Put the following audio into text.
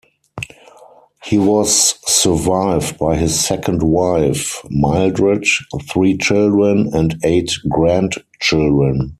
He was survived by his second wife, Mildred; three children, and eight grandchildren.